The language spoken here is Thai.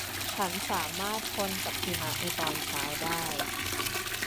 ฉันสามารถทนกับหิมะในตอนเช้าได้